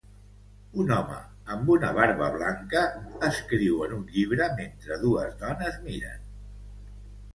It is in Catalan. Un home amb una barba blanca escriu en un llibre mentre dues dones miren